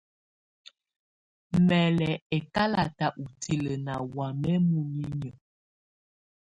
Mɛ̀ lɔ̀ ɛkalatɛ ùtilǝ̀ nà wamɛ̀ muninyǝ́.